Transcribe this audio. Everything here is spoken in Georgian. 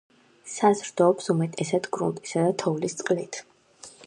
საზრდოობს უმეტესად გრუნტისა და თოვლის წყლით.